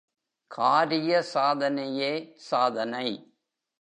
காரிய சாதனையே சாதனை.